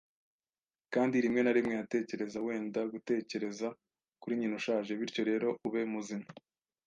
kandi rimwe na rimwe yatekereza wenda gutekereza kuri nyina ushaje, bityo rero ube muzima